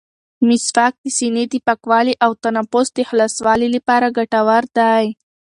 مسواک د سینې د پاکوالي او تنفس د خلاصوالي لپاره ګټور دی.